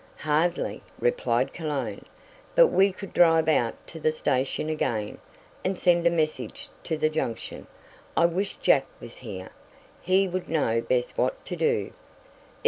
"Hardly," replied Cologne. "But we could drive out to the station again, and send a message to the Junction. I wish Jack was here. He would know best what to do.